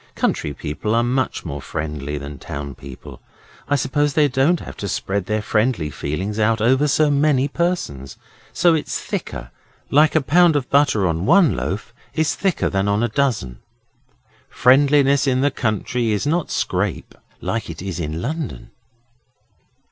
Country people are much more friendly than town people. I suppose they don't have to spread their friendly feelings out over so many persons, so it's thicker, like a pound of butter on one loaf is thicker than on a dozen. Friendliness in the country is not scrape, like it is in London.